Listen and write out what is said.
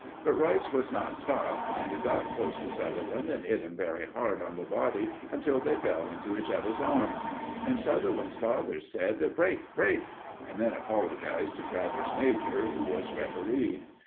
But Rice was not stopped, and he got close to Sutherland and hit him very hard on the body until they fell into each other's arms. And Sutherland's father said, "Break! Break!" and then apologized to Travers major, who was referee.